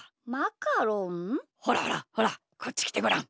ほらほらほらこっちきてごらん。